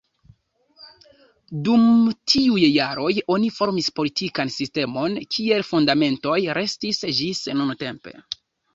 Dum tiuj jaroj oni formis politikan sistemon kies fundamentoj restis ĝis nuntempe.